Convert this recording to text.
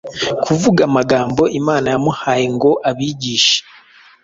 kuvuga amagambo Imana yamuhaye ngo abigishe